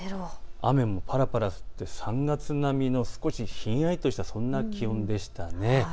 雨がぱらぱら降って、３月並みの少しひんやりとした気温でしたね。